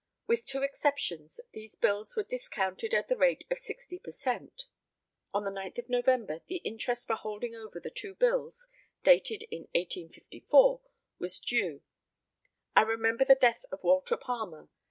With two exceptions, these bills were discounted at the rate of 60 per cent. On the 9th of November the interest for holding over the two bills, dated in 1854, was due. I remember the death of Walter Palmer.